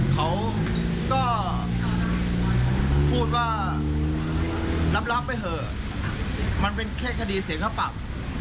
เขาก็พูดว่ารับรักไปเถอะมันเป็นแค่คดีเสียค่าปรับ